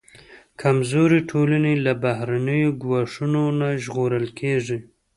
کمزورې ټولنې له بهرنیو ګواښونو نه ژغورل کېږي.